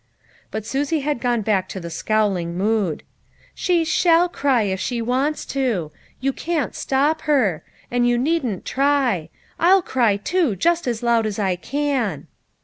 But Susie had gone back to the scowling mood. " She shall cry, if she wants to ; you can't stop her; and you needn't try; I'll cry too, just as loud as I can."